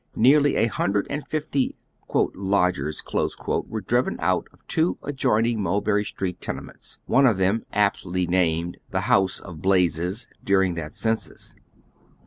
Xearly a hun dred and lifty " lodgers " were driven out of two adjoining Mulberry Street tenements, one of them aptiy named " the House of Blazes," during that census.